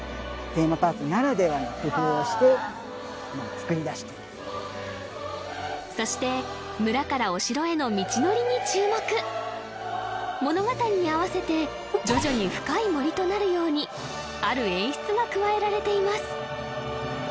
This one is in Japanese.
そしてこのそして村からお城への道のりに注目物語に合わせて徐々に深い森となるようにある演出が加えられています